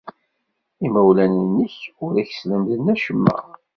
Imawlan-nnek ur ak-slemden acemma?